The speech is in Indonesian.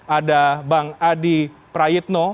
ada bang adi prayitno